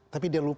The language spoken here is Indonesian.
tapi dia lupa